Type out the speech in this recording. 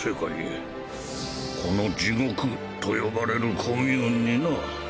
この地獄と呼ばれるコミューンにな。